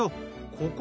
ここ